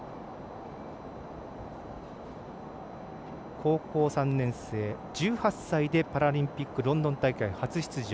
高校３年生、１８歳でパラリンピック、ロンドン大会初出場。